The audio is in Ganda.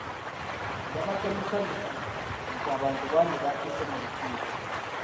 Yabadde musanyufu nti abantu bangi bakiise mu lukiiko.